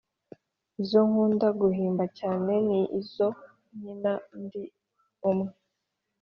izo nkunda guhimba cyane ni izo nkina ndi umwe